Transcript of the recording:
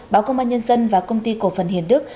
báo công an nhân dân và công ty cổ phần hiền đức